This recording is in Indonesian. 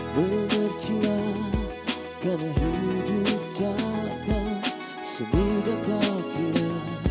mengertilah karena hidup takkan semudah kakira